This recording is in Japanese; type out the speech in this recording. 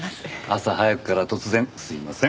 朝早くから突然すいません。